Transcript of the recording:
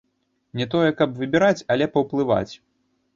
Не тое, каб выбіраць, але паўплываць.